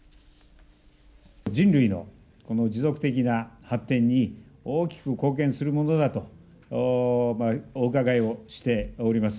人類のこの持続的な発展に、大きく貢献するものだとお伺いをしております。